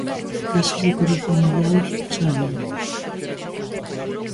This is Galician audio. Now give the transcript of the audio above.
Casos de corrupción illados, xa digo.